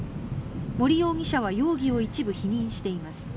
森容疑者は容疑を一部否認しています。